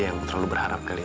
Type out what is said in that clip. yang terlalu berharap kali ya